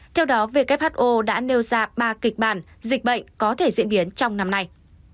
theo đó who đã nêu ra ba kịch bản dịch bệnh có thể diễn biến trong năm nay